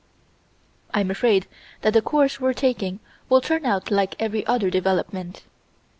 I'm afraid that the course we're taking will turn out like every other development.